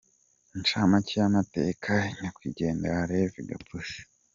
Incamake y’amateka ya nyakwigendera Rev Gapusi.